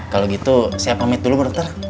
kalau gitu saya pamit dulu dokter